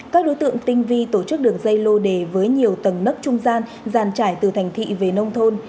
các đối tượng tinh vi tổ chức đường dây lô đề với nhiều tầng nấp trung gian giàn trải từ thành thị về nông thôn